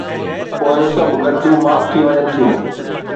پوءِ سڀ غلطيون معاف ٿي وڃن ٿيون.